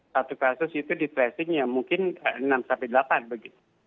satu kasus itu di tracingnya mungkin enam delapan begitu